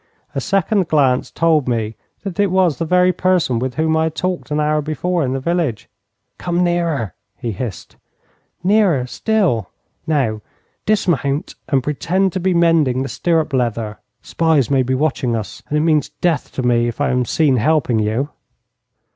A second glance told me that it was the very person with whom I had talked an hour before in the village. 'Come nearer!' he hissed. 'Nearer still! Now dismount and pretend to be mending the stirrup leather. Spies may be watching us, and it means death to me if I am seen helping you.'